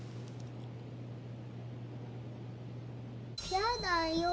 やだよー！